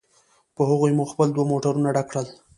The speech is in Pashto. په هغوی مو خپل دوه موټرونه ډک کړل.